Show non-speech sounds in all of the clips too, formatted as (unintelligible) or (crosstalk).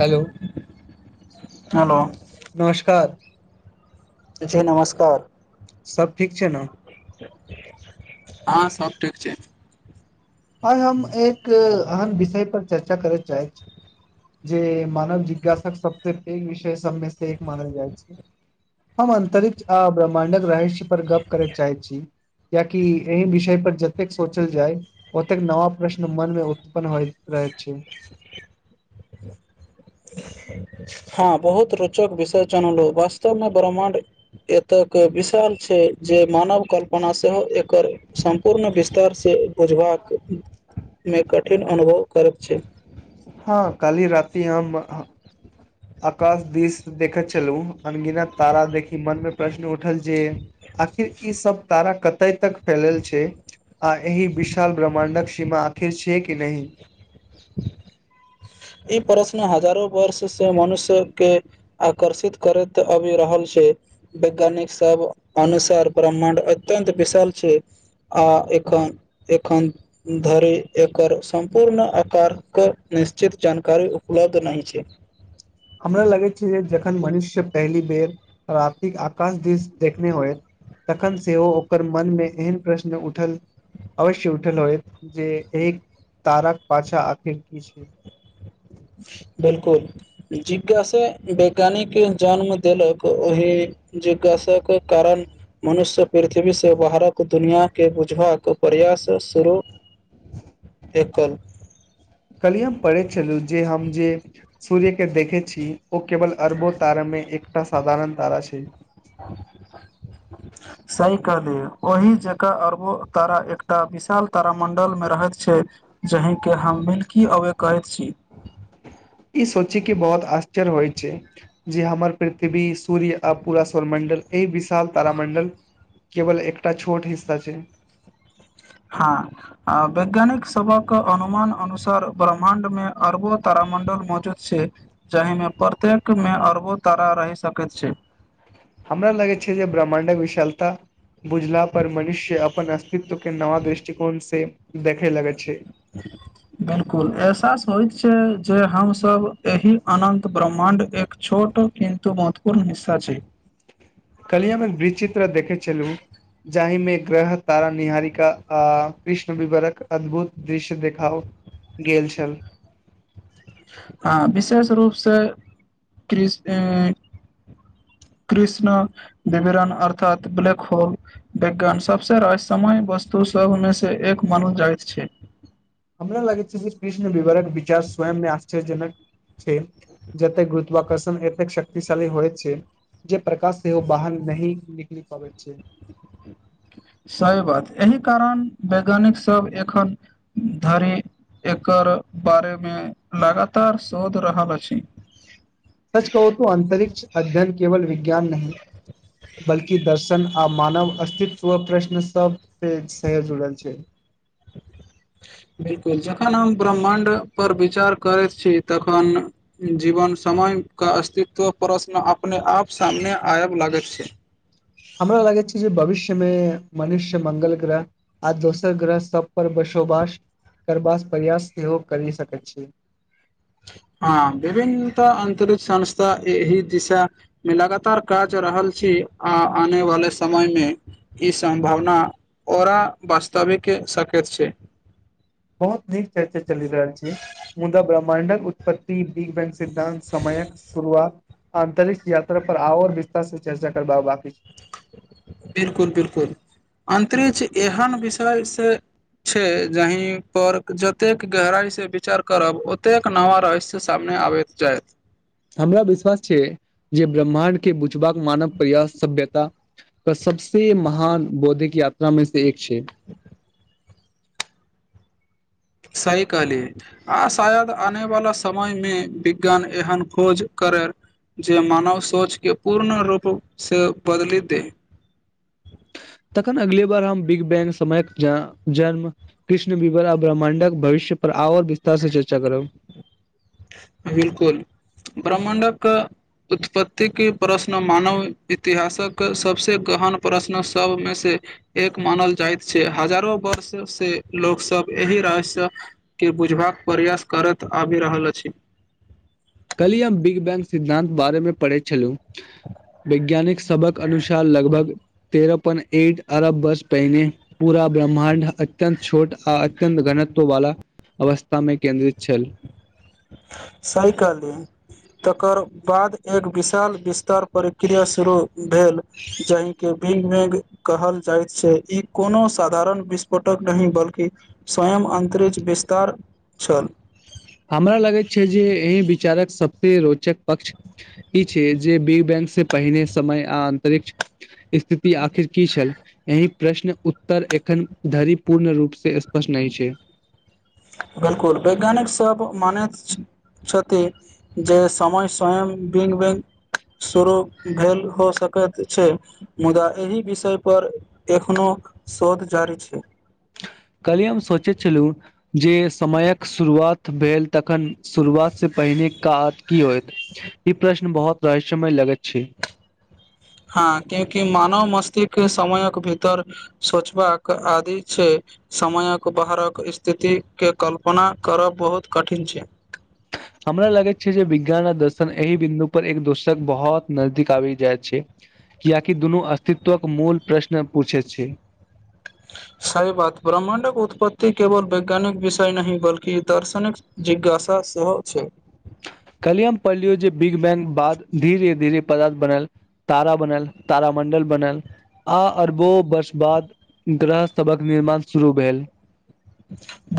hello hello नमस्कार जी नमस्कार सब ठीक छै ने हँ सब ठीक छै आइ हम एक अहन विषय पर चर्चा करय चाहैत छी जे मानव जिज्ञासाक सबस पैघ विषय सबमे से एक मानल जाइ छै हम अन्तरिक्ष ब्रह्माणडक रहस्य पर गप करय चाहै छी कियाकि एहि विषय पर जतेक सोचल जाय ओतेक नव प्रश्न मनमे उत्पन्न होइत रहै छै (inaudible) हँ बहुत रोचक विषय जनलहुँ वास्तवमे ब्रह्माण्ड एतक विशाल छै जे मानव कल्पना सेहो एकर सम्पूर्ण विस्तारसँ बुझबाक मे कठिन अनुभव करैत छै हँ कालिह राति हम आकाश दिस देखैत छलू अनगीनत तारा देखी मन मे प्रश्न उठल जे आखिर ई सब तारा कत तै तक फैलल छै आ अहि विशाल ब्रह्मण्डक सीमा आखिर छै कि नहि (inaudible) ई प्रश्न हजारो वर्ष से मनुष्यके आकर्षित करैत आबि रहल छै वैज्ञानिक सब अनुसार ब्रह्मण्ड अत्यन्त विशाल छै आ एखन एखन धरि एकर सम्पूर्ण आकारके नि उचित जानकारी उपलब्ध नहि छै हमरा लगै छै जे जखन मनुष्य पहिली बेर रतिक आकाश दिस देखने होइत तखन सेहो ओकर मनमे एहन प्रश्न उठल अवश्य उठल होत जे एहि ताराक पाछा आखर की छै बिल्कुल जिज्ञासा वैज्ञानिक जन्म देलक ओहि जिज्ञासाक कारण मनुष्य पृथ्वी से बाहरक दुनिया के बुझवा परि क स शुरू एकल कलिहम पढै छलू जे हम जे सूर्य के देखै छी ओ केवल अरबो तारामे एकटा साधारण तारा छै (inaudible) क दे ओहि जगह अरबो तारा एकटा विशाल तारामंडल मे रहैत छै जहि हमके हम मिल्की अबै कहैत छी (inaudible) ई सोची की बहुत आश्चर्य होइ छै जे हमर पृथ्वी सूर्य आ पुरा स्वर मण्डल एहि विशाल तारामण्डल केवल एकटा छोट हिस्सा छै हँ वैज्ञानिक सबक अनुमान अनुसार ब्रह्माण्ड मे अरबो तामण्डल मजूद छै जाहिमे प्रत्येकमे अरबो तारा रहि सकैत छै हमरा लगै छै जे ब्रह्माण्डक विशालता बुझला पर मनुष्य अपन अस्तित्व के नवऽ दृष्टिकोण से देखे लगै छै बिलकुल एहसास होइत छै जे हमसभ एहि अनन्त ब्रह्माण्ड एक छोट किंतु महत्वपूर्ण हिस्सा छै कलिए हम एक विचित्र देखै छलु जाहिमे ग्रह तारा निहारीका आ कृष्ण विवरक अद्भुत दृश्य देखाओ गेल छल हँ विशेष रूपसँ कृस ऐं (unintelligible) कृष्ण विवरण अर्थात ब्लैक होल विज्ञान सबस रहस्यमय वस्तु सभ मे से एक मनो जाइत छै हमरा लागै छै जे कृष्ण विवरक विचार स्वयंमे आश्चर्यजनक जेते गुरुत्वाकर्षण एतेक शक्तिशाली होइ छै प्रकाश सेहो बाहन नहि निकैल पाबैत छै सही बात एहि कारण वैज्ञानिक सब एखन धरि एकर बारेमे लगातार शोध रहल अछि सच कहू त अन्तरिक्ष अध्ययन केवल विज्ञान नहि बल्कि दर्शन आ मानव अस्तित्व प्रश्न सब स से जुड़ल छै (inaudible) बिल्कुल जखन हम ब्रह्माण्ड पर विचार करैत छी तखन जीवन क अस्तित्व प्रश्न अपने आप सामने आयब लागैत छै हमरा लागै छी जे भविष्य मे मनुष्य मंगल ग्रह आ दोसर ग्रह सब पर बसोवास करबास प्रयास सेहो करि सकैत छी हँ विभिन्नत अन्तरिक्ष संस्था एहि दिशा मे लगातार काज रहल छी आ आने वाले समय मे ई सम्भावना ओरा वास्तव आबैके साकैत छी बहुत नीक चर्चा चलि रहल छै मुदा ब्रह्मणडक उत्पत्त बिग बैं सिद्धानंत समयक शुरुआत आंतरिक यात्रा पर आ आर विस्तार से चर्चा करबाबा के छै बिल्कुल बिल्कुल अन्तरिक्ष एहन विषयसँ छै जहि पर जतेक गहराइ से विचार करब ओतेक नवा रहस्य शामि आबैत जायत हमरा विश्वास छै जे ब्रह्माण्डके बुझबाक मानव प्रयास सभ्यता क सबसे महान बौद्धिक यात्रामे से एक छै (unintelligible) सही कहली आ शायद आने वाला समय मे विज्ञान एहन खोज कर करै जे मानव सोचके पूर्ण रूपसँ बदलि दए (unintelligible) अखन अगले बार हम बिग बैंग समयक जन जन्म कृष्ण विवर आ ब्रह्मण्डक भवष्य पर आ और विस्तार से चर्चा करब बिलकुल ब्रह्मण्डके उत्पत्ति के प्रश्न मानव इतिहासक सबसे ग्रहन प्रश्न सबमे से एक मानल जाइत छै हजारों वर्ष से लोकसभ एहि रहस्य के बुझबाक प्रयास करैत आबि रहल अछि कलहि हम बिग बैंग सिद्धान्त बारेमे पढ़ै छलहुँ वैज्ञानिक सबक अनुसार लगभग तेरह पॉइंट एट अरब बर्स पहिने पूरा ब्रह्माण्ड अत्यन्त छोट आ अत्यन्त घनत्व वाला अवस्थामे केन्द्रित छल साइकाले तकर बाद एक विशाल विस्त तर प्रक्रिया शुरू भेल जाहिके विंग वैग कहल जाइत छै ई कोनो साधारण विस्फोटक नहि बल्कि स्वयं अंतरिक्ष विस्तार छल हमरा लगैत छै जे एहि विचारक सब रोचक पक्ष ई छै जे बिग बैंग से पहिने समय आ अन्तरिक्ष इ स्थिति आखिर की छल एहि प्रश्न उत्तर एखन धरि पूर्ण रूप से स्पष्ट नहि छै (unintelligible) बिलकुल वैज्ञानिक सब मानैत छथि जे समय स्वयं विंग वैँग शुरू भेल हो सकैत छै मुदा एहि विषय पर एखनो शोध जारी छै (unintelligible) कलहि हम सोचैत छलहुँ जे समयक शुरुआत भेल तखन शुरुआतसँ पहिने का की होत ई प्रश्न बहुत रहस्यमय लगैत छै हँ क्याकि मानव मस्तिक समयक भीतर सोचबाक आदि छै समयक बाहरक स्थितिक के कल्पना करब बहुत कठिन छै (unintelligible) हमरा लगै छै जे विज्ञान आ दर्शन एहि बिन्दु पर एक दोसक बहुत नजदीक आबि जाइ छै कियाकि दुनू अस्तित्वक मूल प्रश्न पूछै छै सही बात ब्रह्माण्डक उत्पत्ति केवल वैज्ञानिक विषय नहि बल्कि दार्शनिक जिज्ञासा सेहो छै (unintelligible) कलिह हम पढ़लियौ जे बिग बैंग बाद धीरे धीरे पदार्थ बनेल तारा बनेल तारा मण्डी बनल आ अरबो वर्ष बाद ग्रहसभक निर्माण शुरू भेल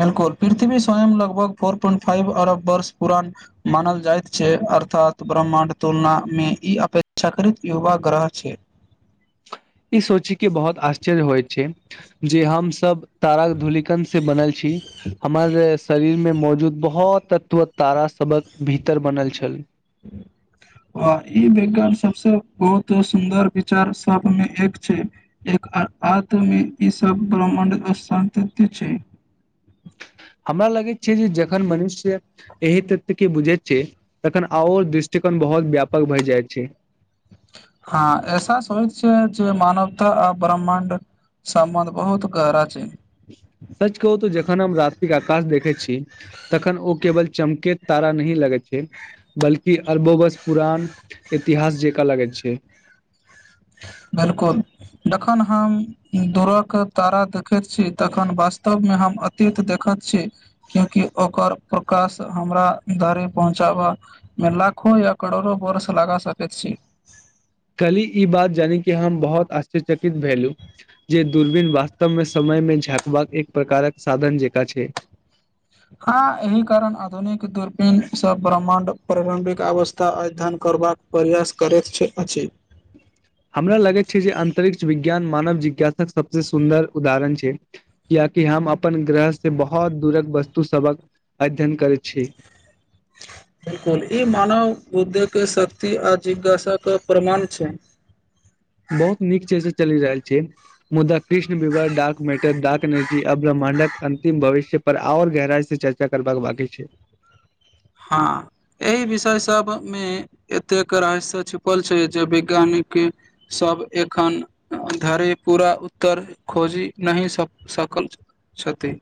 बिलकुल पृथ्वी स्वयं लगभग फोर पॉइंट फाइव अरब वर्ष पुरान मानल जाइत छै अर्थात ब्रह्मा्ड तुलना मे ई अपे्षााकृत युवा ग्रह छै ई सोचीे के बहुत आश्चर्य होय जे हमसब ताराक धूलिकन से बनल छी हमर शरीर मे मौजूद बहुत तत्व तारा सबक भीतर बनल छल (unintelligible) आ ई विज्ञान सबसे बहुत सुन्दर विचार सबमे एक छै एक आ आतुलि ईसभ ब्राम्माण्ड स्तित्व छै (inaudible) हमरा लगै छै जे जखन मनुष्य एहि तत के बुझे छै तखन आओ दृष्टिकोण बहुत व्यापक भइ जाइत छै हाँ एहसास होय छै जे मानवता आ ब्रह्मण्ड समन्ध बहुत गहरा छै सच कहू तऽ जखन हम रात्रिक आकाश देखै छी तखन ओ केवल चमकेैत तारा नही लगै छै बल्कि अरबोवस पुरान इतिहास जेकाँ लगैत छै बिल्कुल जखन हम दूरक तारा देखैत छी तखन वास्तवमे हम अतीत देखैत छी क्यूकि ओकर प्रकाश हमरा धरे पहुँचाबामे लाखो करोड़ों बर्ष लगा सकै छी कली ई बात जानी कि हम बहुत आश्च्यचकित भेलू जे दूरबीन वास्तवमे समयमे झाँकबाक एक प्रकारक साधन जेकाँ छै हाँ एहि कारण आधुनिक दूरबीन से ब्रह्मण्ड प्रारम्भिक अवस्था अध्ययन करबाक प्रयास करै छै अछि (inaudible) हमरा लगैत छै जे अंतरिक्ष विज्ञान मानव जिज्ञासाक सबसे सुन्दर उदाहरण छै किया कि हम अपन ग्रह से बहुत दूरक वस्तु सबक अध्ययन करैत छी (inaudible) बिल्कुल ई मानव उद्दक शक्ति आ जिज्ञासाक प्रमाण छै बहुत नीक छै से चलि रहल छै मुदा कृष्ण विवर डाक मैटरड डाक जे ब्रह्माण्डक अंतिम भविष्य पर आऔर गहराइ से चर्चा करबाक बाकी छै हाँ एहि विषय सब मे एतेक रहस्या छुपल छै जे वैज्ञानिक सब एखन धरि पूरा उत्तर खोजि नहि स सकल छथि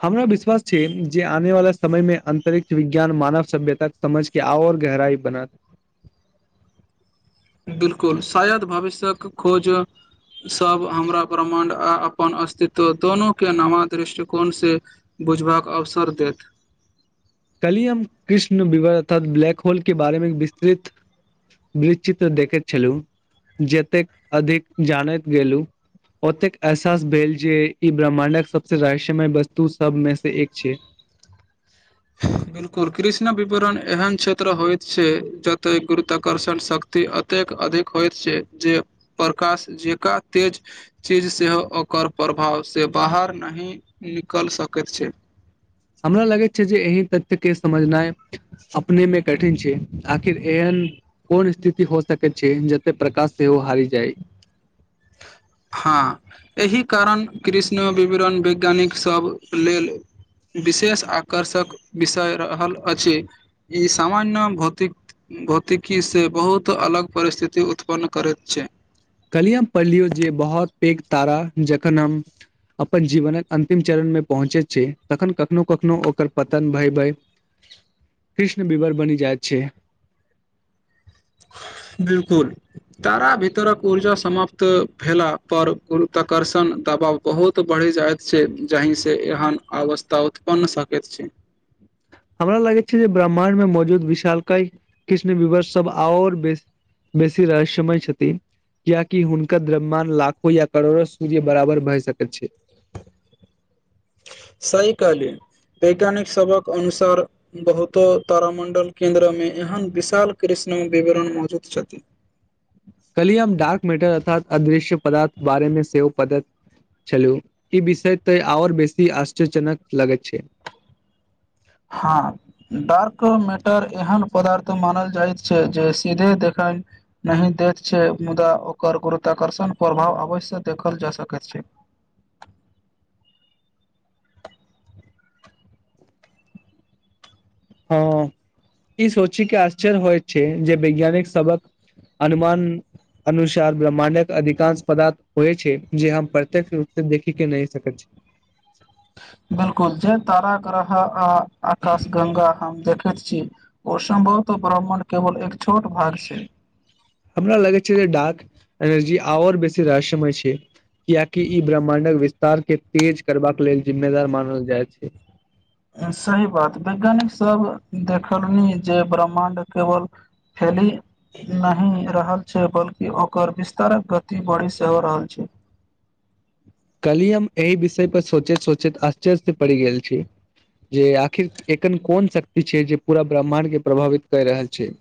हमरा विश्वास छै जे आने वाला समयमे अंतरिक्ष विज्ञान मानव सभ्यता समझके आओर गहराई बनत बिल्कुल शायद भविष्यक खोज सब हमरा ब्रह्मण्ड आ अपन अस्तित्व दोनो के नवा दृष्टिकोण से बुझबाक अवसर देत कलियम कृष्ण विवर अर्थ ब्लैक होल के बारेमे विस्तृत वित्र देखैत छलुँ जतेक अधिक जानैत गेलहु ओतेक एहसास भेल जे ई ब्रह्माण्डक सबसे रहस्यमय वस्तु सबमेसे एक छै (inaudible) बिल्कुल कृष्ण विपुरण एहन क्षेत्र होइत छै जते गुरुत्वकर्षण शक्ति एतेक अधिक होइत छै जे प्रकाश जका तेज चीज सेहो ओकर प्रभावसे बाहर नहि निकल सकैत छै (inaudible) हमरा लगैत छै जे एहि तथ्यके समझनाई अपनेमे कठिन छै आखिर एहन कोन स्थिति हो सकैत छै जते प्रकाश सेहो हारि जाई हाँ एहि कारण कृष्ण विवरण वैज्ञानिकसब लेल विशेष आकर्षक विषय रहल अछि ई सामान्य भौतिक भौतिकी से बहुत अलग परिस्थिति उत्पन्न करैत छै कलिय हम पढलियो बहुत पैघ तारा जखन हम अपन जीवनक अंतिम चरण मे पहुँचे छै तखन कखनो कखनो ओकर पतन भय भय कृष्ण बीबर बनि जाइत छै बिलकुल तारा भीतरक ऊर्जा समाप्त भेला पर गुरुताकर्षण दबाव बहुत बढ़ जाइत छै जहि से जेहन अवस्था उत्पन्न सकैत छै (inaudible) ब्रह्मण्ड मे मौजूद विशाल क कृष्ण विवष सब आओर बेस बेसी रहमय छथि कियाकि हुनकर द्रम्यान लाखो या करोड़ो सूर्य बराबर भए सकैत छै (inaudible) सही कहलिये वैज्ञानिक सबक अनुसार बहुतो तारामंडल केंन्द्र मे एहन विशाल कृष विवरण मौजूद छथि कली हम डार्क मेटर अर्थात अदृश्य पदार्थ बारेमे सेव चलू ई विषय तऽ आओर बेसी आश्चरजनकनक लगैत छै हँ डार्क मेटर एहन पदार्थ मानल जाइत छै जे सीधे देखल दैत छै मुदा ओकर आकर्षण प्रभाव अवश्य देखल जा सकैत छै हँ ई सोचिक के आश्चर्य होइ छै जे वैज्ञानिक सबक हनुमान अनुसार ब्रह्मा्डक अधिकांश पदार्थ होइ छै जे हम प्रत्यक्ष रूप से देखि के नहि सकैत छी (inaudible) बिलकुल जे तारा ग्रहक आ आकाश गंगा हम देखैत छी ओ सम्भत ब्राह्मण केवल एक छोट भाग छै हमरा लगे छै जे ड्क एनर्जी आर बेसी रहस्यमय छै कियकि ई ब्रह्माण्डक विस्तार के तेज करबाक लेल जिम्मेदार मानल जाइत छै सही बात वैज्ञानिक सब देखलनि जे ब्रह्माण्ड केवल फेली नहि रहलल छै बल्कि ओकर विस्तारक गति बढ़ी से हो रहल छै कलियम एहि विषय पर सोचैत सोचैत आश्चर्यसँ पड़ि गेल छी जे आखिर एकन कोन शक्ति छै जे पूरा ब्रह्मण्डके प्रभावित क रहल छै (inaudible)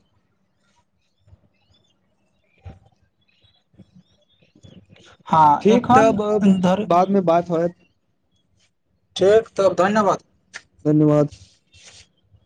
हँ ठीक एखन तब अब अन्दर बाद मे बात होयत ठीक तब धन्यवाद धन्यवाद (inaudible)